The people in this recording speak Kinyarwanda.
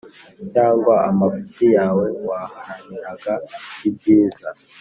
cyangwa amafuti yawe waharaniraga ibyiza